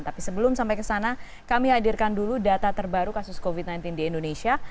tapi sebelum sampai ke sana kami hadirkan dulu data terbaru kasus covid sembilan belas di indonesia